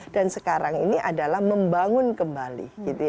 dan sekarang ini adalah membangun kembali